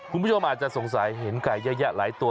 คุณผู้ชมอาจจะสงสัยเห็นไก่เยอะแยะหลายตัว